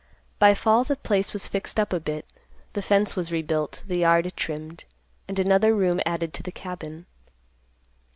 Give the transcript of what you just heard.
By fall, the place was fixed up a bit; the fence was rebuilt, the yard trimmed, and another room added to the cabin.